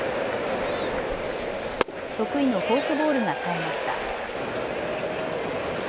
得意のフォークボールがさえました。